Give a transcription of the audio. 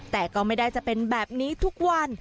แต่ก็ไม่ได้จะเป็นแบบนี้ทุกวัน